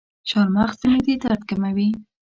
چارمغز د معدې درد کموي.